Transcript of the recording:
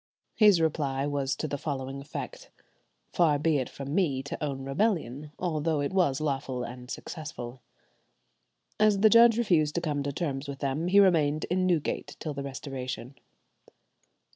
His reply was to the following effect: "Far be it from me to own rebellion, although it was lawful and successful." As the judge refused to come to terms with them, he remained in Newgate till the Restoration.